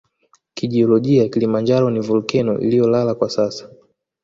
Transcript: Kijiolojia Kilimanjaro ni volkeno iliyolala kwa sasa